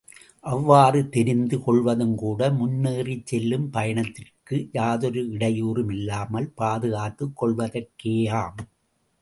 அவ்வாறு தெரிந்து கொள்வதுங் கூட முன்னேறிச் செல்லும் பயணத்திற்கு யாதொரு இடையூறும் இல்லாமல் பாதுகாத்துக் கொள்வதற்கேயாம்.